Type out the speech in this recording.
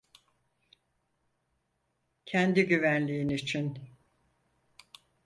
Kendi güvenliğin için.